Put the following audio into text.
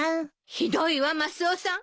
ひどいわマスオさん！